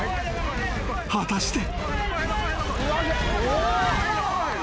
［果たして］